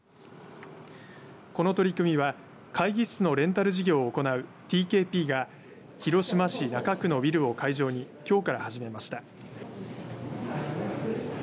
この取り組みは会議室のレンタル事業を行うティーケーピーが広島市中区のビルを会場に、きょうから始めました。